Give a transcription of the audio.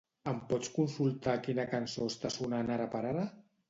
Em pots consultar quina cançó està sonant ara per ara?